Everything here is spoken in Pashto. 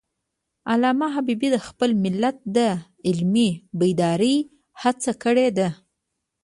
علامه حبیبي د خپل ملت د علمي بیدارۍ هڅه کړی ده.